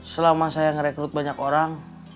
selama saya merekrut banyak orang